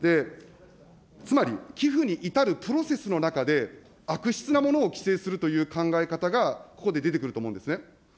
つまり、寄付に至るプロセスの中で、悪質なものを規制するという考え方が、ここで出てくると思うんですね。